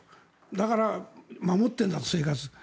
だから、守ってんだ、生活と。